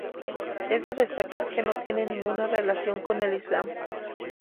Es de destacar que no tiene ninguna relación con el Islam.